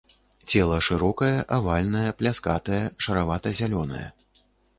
Цела шырокае, авальнае, пляскатае, шаравата-зялёнае.